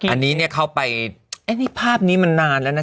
อันนี้เข้าไปภาพนี้มันนานแล้วนะ